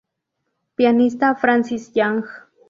Pianista: Francis Yang